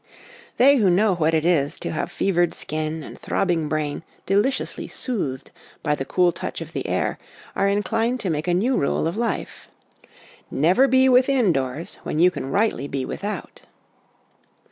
They who know what it is to have fevered skin and throbbing brain deliciously soothed by the cool touch of the air are inclined to make a new rule of life, " Never be within doors when you can rightly be without."